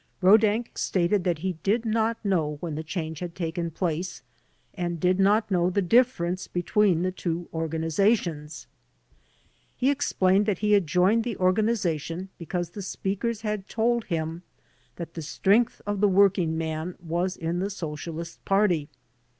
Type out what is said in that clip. Rodak stated that he did not know when the change had taken place and did not know the difference between the two organizations. He explained that he had joined the organization because the speakers h^d told him that the strength of the working man was in the Socialist Party.